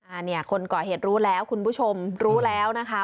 อันนี้คนก่อเหตุรู้แล้วคุณผู้ชมรู้แล้วนะคะ